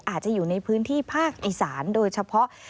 อาจจะอยู่ในพื้นที่ภาคอีสานโดยเฉพาะ